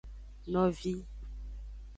Novi.